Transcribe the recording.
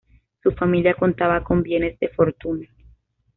Su familia contaba con bienes de fortuna.